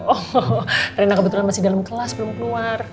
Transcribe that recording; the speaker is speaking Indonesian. oh rina kebetulan masih dalam kelas belum keluar